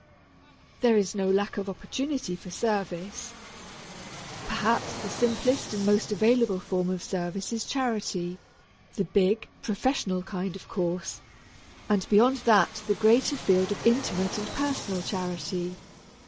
There is no lack of opportunity for service. Perhaps the simplest and most available form of service is charity, the big, professional kind, of course, and beyond that the greater field of intimate and personal charity.